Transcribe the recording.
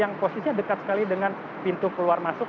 yang posisinya dekat sekali dengan pintu keluar masuk